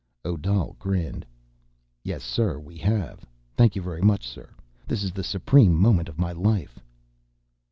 Odal grinned. "Yes, sir, we have. Thank you very much sir. This is the supreme moment of my life."